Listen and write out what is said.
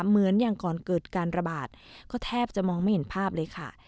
เหมือนอย่างก่อนเกิดการระบาดก็แทบจะมองไม่เห็นภาพเลยค่ะ